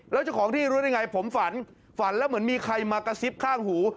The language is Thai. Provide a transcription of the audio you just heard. แล้วเจ้าของที่รู้ได้ไงผมฝันฝันแล้วเหมือนมีใครมากระซิบข้างหู